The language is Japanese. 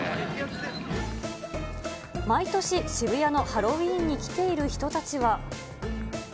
毎年、渋谷のハロウィーンに来ている人たちは。